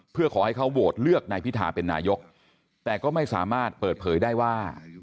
เพื่อขอให้เขาโหวตเลือกนายพิธาเป็นนายกแต่ก็ไม่สามารถเปิดเผยได้ว่า